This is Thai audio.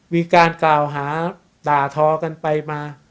มีการกล่าวหาด่าทอกันไปมา